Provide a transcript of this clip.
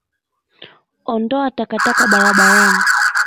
Ondoa takataka barabarani